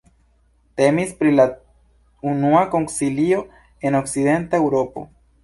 Temis pri la unua koncilio en okcidenta Eŭropo.